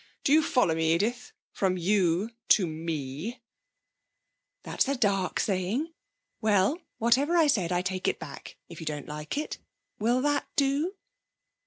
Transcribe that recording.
Do you follow me, Edith? From you to me.' 'That's a dark saying. Well, whatever I said I take it back, if you don't like it. Will that do?'